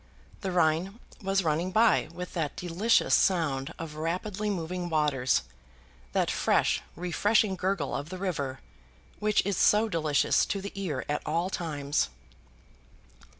The Rhine was running by with that delicious sound of rapidly moving waters, that fresh refreshing gurgle of the river, which is so delicious to the ear at all times.